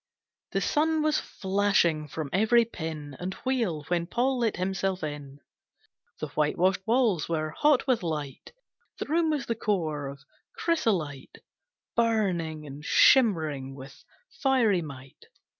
The sun was flashing from every pin And wheel, when Paul let himself in. The whitewashed walls were hot with light. The room was the core of a chrysolite, Burning and shimmering with fiery might.